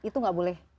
jadi itu gak boleh